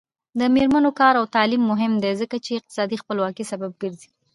د میرمنو کار او تعلیم مهم دی ځکه چې اقتصادي خپلواکۍ سبب ګرځي.